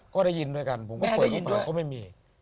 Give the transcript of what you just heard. ก็ได้ยินด้วยกันผมก็เปิดนิดหน่อยก็ไม่มี